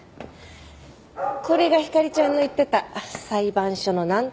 これがひかりちゃんの言ってた裁判所のなんとか官さんか。